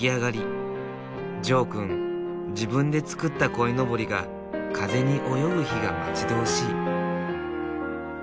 ジョーくん自分で作った鯉のぼりが風に泳ぐ日が待ち遠しい。